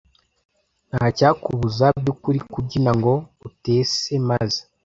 ntacyakubuza byukuri kubyina ngo utese maze